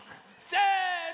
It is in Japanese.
せの！